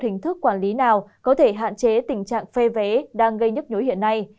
hình thức quản lý nào có thể hạn chế tình trạng phê vé đang gây nhức nhối hiện nay